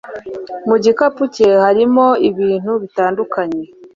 Mu gikapu cye harimo ibintu bitandukanye.